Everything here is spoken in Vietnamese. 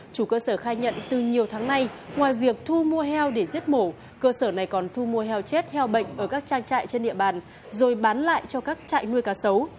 chủ cơ sở khai nhận từ nhiều tháng nay ngoài việc thu mua heo để giết mổ cơ sở này còn thu mua heo chết heo bệnh ở các trang trại trên địa bàn rồi bán lại cho các trại nuôi cá sấu